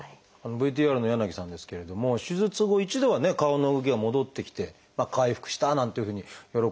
ＶＴＲの柳さんですけれども手術後一度はね顔の動きが戻ってきて回復したなんていうふうに喜んでいらっしゃいました。